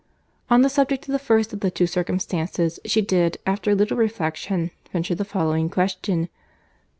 On the subject of the first of the two circumstances, she did, after a little reflection, venture the following question.